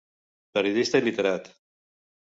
Periodista i literat.